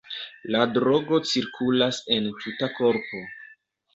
La drogo cirkulas en tuta korpo.